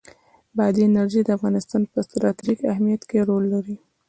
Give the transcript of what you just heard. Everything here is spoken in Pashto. بادي انرژي د افغانستان په ستراتیژیک اهمیت کې رول لري.